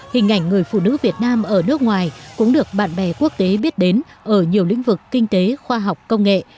hình ảnh người phụ nữ việt nam ở nước ngoài cũng được bạn bè quốc tế biết đến ở nhiều lĩnh vực kinh tế khoa học công nghệ